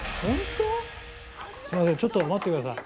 すみません、ちょっと待ってください。